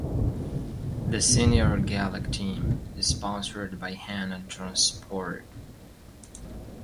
The Senior Gaelic team is sponsored by Hannon Transport.